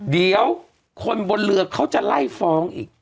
เดี๋ยวคนบนเรือเขาจะไล่ฟ้องอีก